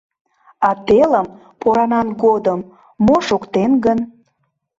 А телым, поранан годым, мо шоктен гын?